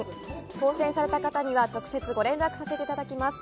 当せんされた方には直接、ご連絡させていただきます。